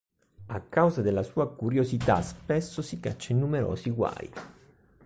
A causa della sua curiosità spesso si caccia in numerosi guai.